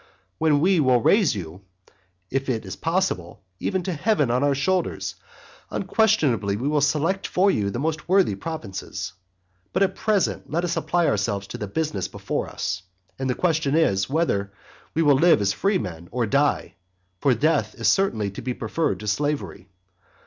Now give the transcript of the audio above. Then we will raise you, if it be possible, even to heaven on our shoulders, unquestionably we will select for you the most worthy provinces. But at present let us apply ourselves to the business before us. And the question is, whether we will live as freemen, or die, for death is certainly to be preferred to slavery.